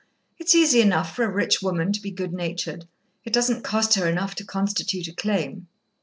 "It's easy enough for a rich woman to be good natured. It doesn't cost her enough to constitute a claim."